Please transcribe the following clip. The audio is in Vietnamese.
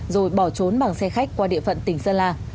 rồi bỏ trốn bằng xe khách qua địa phận tỉnh sơn la